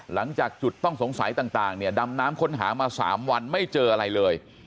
หลังจากจุดต้องสงสัยต่างเนี่ยดำน้ำค้นหามา๓วันไม่เจออะไรเลย